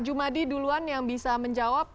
jumadi duluan yang bisa menjawab